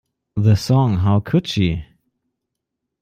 The song How Could She?